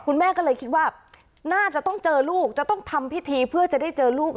คุณแม่ก็เลยคิดว่าน่าจะต้องเจอลูกจะต้องทำพิธีเพื่อจะได้เจอลูก